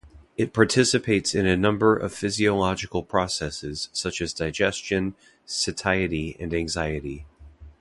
It participates in a number of physiological processes such as digestion, satiety and anxiety.